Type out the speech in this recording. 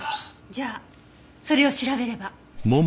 じゃあそれを調べれば。